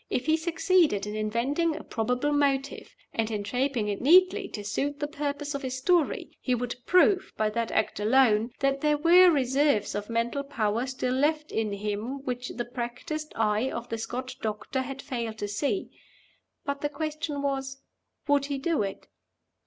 If he succeeded in inventing a probable motive, and in shaping it neatly to suit the purpose of his story, he would prove, by that act alone, that there were reserves of mental power still left in him which the practiced eye of the Scotch doctor had failed to see. But the question was would he do it?